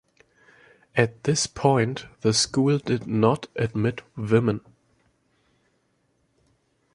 At this point, the school did not admit women.